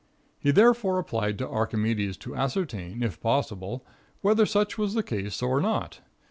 He therefore applied to Archimedes to ascertain, if possible, whether such was the case or not.